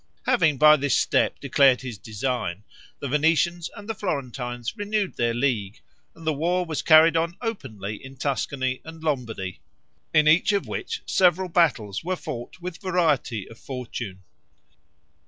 Having by this step declared his design, the Venetians and the Florentines renewed their league, and the war was carried on openly in Tuscany and Lombardy, in each of which several battles were fought with variety of fortune.